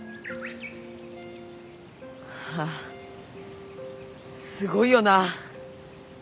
ああすごいよな。